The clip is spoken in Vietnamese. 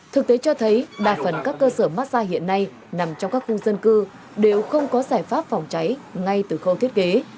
thực tế cho thấy đa phần các cơ sở massage hiện nay nằm trong các khu dân cư đều không có giải pháp phòng cháy ngay từ khâu thiết kế